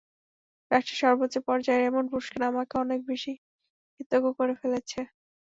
রাষ্ট্রের সর্বোচ্চ পর্যায়ের এমন পুরস্কার আমাকে অনেক বেশি কৃতজ্ঞ করে ফেলেছে।